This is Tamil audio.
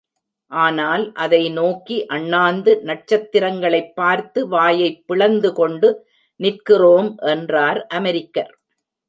ஆனால், அதை நோக்கி, அண்ணாந்து நட்சத்திரங்களைப் பார்த்து வாயைப் பிளந்து கொண்டு நிற்கிறோம் என்றார் அமெரிக்கர்.